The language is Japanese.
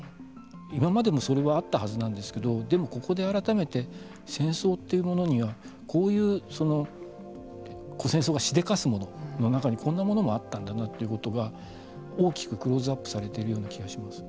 今までもそれはあったはずなんですけどでも、ここで、改めて戦争というものには戦争がしでかすものの中にこんなものがあったんだなということが大きくクローズアップされてるような気がします。